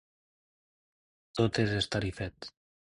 Tot és estar-hi fet.